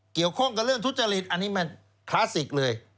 เกี่ยวข้องกับเรื่องทุจริตอันนี้มันคลาสสิกเลย